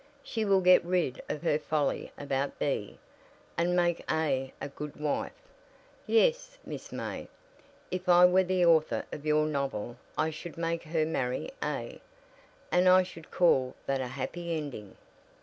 She will get rid of her folly about B, and make A a good wife. Yes, Miss May, if I were the author of your novel I should make her marry A, and I should call that a happy ending."